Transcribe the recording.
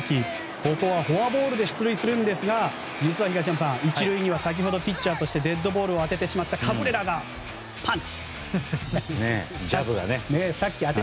ここはフォアボールで出塁するんですが実は東山さん、１塁には先ほどピッチャーとしてデッドボールを当ててしまったカブレラがパンチ！